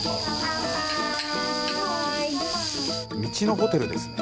道のホテルですね。